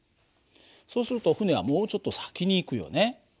そうすると船はもうちょっと先に行くよね。